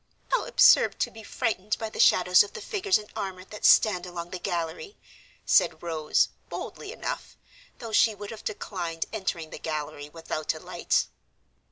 "How absurd to be frightened by the shadows of the figures in armor that stand along the gallery!" said Rose, boldly enough, though she would have declined entering the gallery without a light.